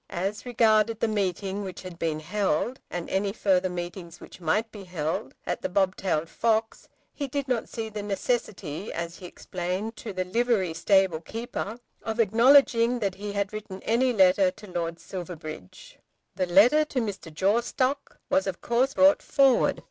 As regarded the meeting which had been held, and any further meetings which might be held, at The Bobtailed Fox, he did not see the necessity, as he explained to the livery stable keeper, of acknowledging that he had written any letter to Lord Silverbridge. The letter to Mr. Jawstock was of course brought forward.